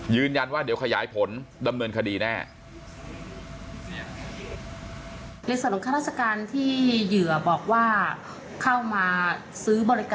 ยืนยันว่าเดี๋ยวขยายผลดำเนินคดีแน่